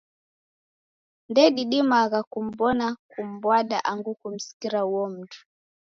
Ndedidimagha kum'mbona, kum'mbwada, angu kumsikira uo mndu.